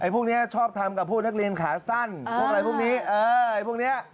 พวกนี้ชอบทำกับพวกนักเรียนขาสั้นพวกอะไรพวกนี้พวกนี้